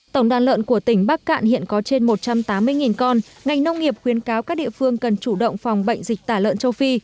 tổng đàn lợn của tỉnh bắc cạn hiện có trên một trăm tám mươi con ngành nông nghiệp khuyến cáo các địa phương cần chủ động phòng bệnh dịch tả lợn châu phi